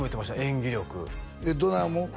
演技力どない思う？